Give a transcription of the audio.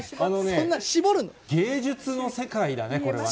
芸術の世界だね、これはね。